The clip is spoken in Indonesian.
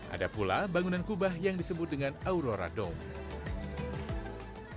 ada pula bangunan kubah yang disebut dengan aurora dongeng